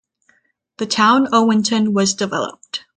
The town Owenton was developed.